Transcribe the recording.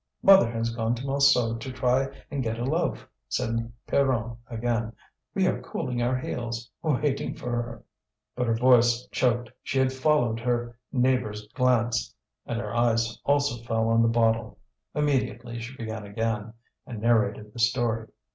"Mother has gone to Montsou to try and get a loaf," said Pierronne again. "We are cooling our heels waiting for her." But her voice choked; she had followed her neighbour's glance, and her eyes also fell on the bottle. Immediately she began again, and narrated the story.